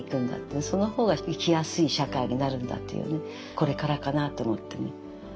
これからかなって思ってね。